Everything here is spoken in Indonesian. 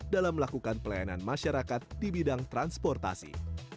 dalam melakukan pelayanan masyarakat di bidang transportasi